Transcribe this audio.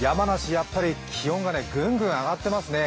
やっぱり気温がどんどん上がっていますね。